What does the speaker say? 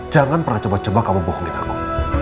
jangan pernah coba coba kamu bohongin aku